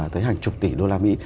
tới hàng chục tỷ đô la mỹ